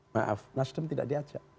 maaf nasdem tidak diajak